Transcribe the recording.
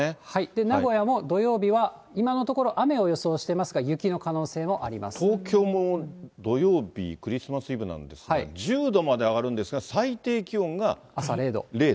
名古屋も土曜日は今のところ雨を予想してますが、雪の可能性東京も土曜日、クリスマスイブなんですが、１０度まで上がるんです朝０度。